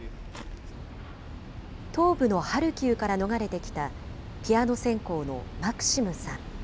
東部のハルキウから逃れてきた、ピアノ専攻のマクシムさん。